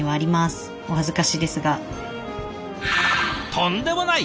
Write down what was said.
とんでもない！